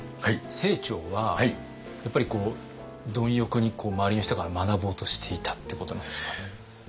清張はやっぱり貪欲に周りの人から学ぼうとしていたってことなんですかね？